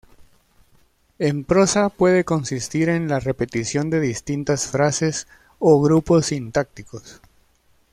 En prosa, puede consistir en la repetición de distintas frases o grupos sintácticos.